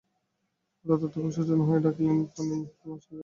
হঠাৎ অধ্যাপক সচেতন হইয়া ডাকিলেন, ফেনি, আমার সেই গলার বোতামটা?